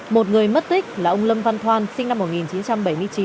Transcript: một người mất tích là ông lâm văn thoan sinh năm một nghìn chín trăm bảy mươi chín